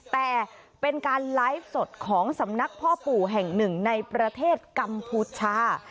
แต่เป็นการไลฟ์สดของสำนักพ่อปู่แห่งหนึ่งในประเทศกัมพูชา